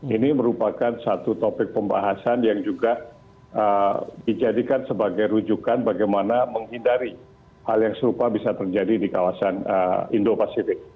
ini merupakan satu topik pembahasan yang juga dijadikan sebagai rujukan bagaimana menghindari hal yang serupa bisa terjadi di kawasan indo pasifik